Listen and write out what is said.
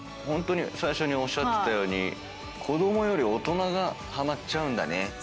最初におっしゃってたように子供より大人がハマっちゃうんだね。